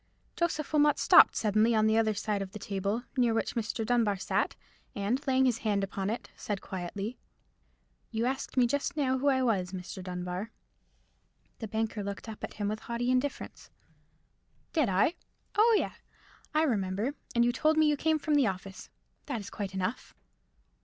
Joseph Wilmot stopped suddenly upon the other side of the table, near which Mr. Dunbar sat, and, laying his hand upon it, said quietly— "You asked me just now who I was, Mr. Dunbar." The banker looked up at him with haughty indifference. "Did I? Oh, yea, I remember; and you told me you came from the office. That is quite enough."